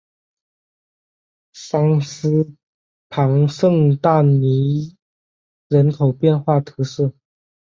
桑斯旁圣但尼人口变化图示